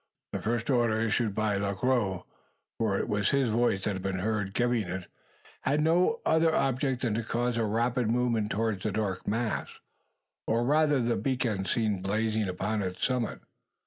That first order issued by Le Gros for it was his voice that had been heard giving it had no other object than to cause a rapid movement towards the dark mass, or rather the beacon seen blazing upon its summit.